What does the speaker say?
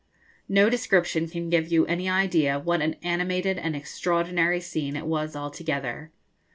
No description can give you any idea what an animated and extraordinary scene it was altogether.